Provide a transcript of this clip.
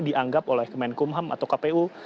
dianggap oleh kemenkumham atau kpu